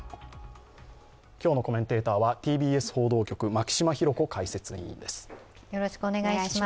今日のコメンテーターはＴＢＳ報道局、牧嶋博子解説委員です。